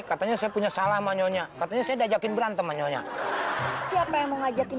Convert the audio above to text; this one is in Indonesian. katanya saya punya salah maunya katanya saya diajakin berantem maunya siapa yang mengajakin